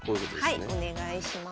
はいお願いします。